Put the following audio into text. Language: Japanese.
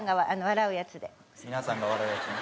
皆さんが笑うやつね。